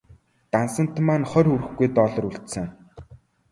Дансанд маань хорь хүрэхгүй доллар үлдсэн.